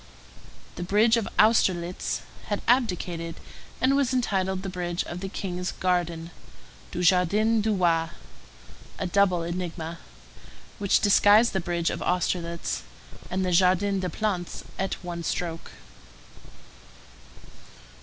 The bridge of Austerlitz had abdicated, and was entitled the bridge of the King's Garden [du Jardin du Roi], a double enigma, which disguised the bridge of Austerlitz and the Jardin des Plantes at one stroke.